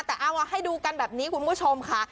แต่เอาให้ดูกันแบบนี้คุณผู้ชมค่ะ